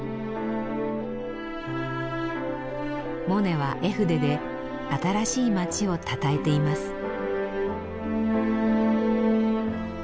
モネは絵筆で新しい街をたたえています。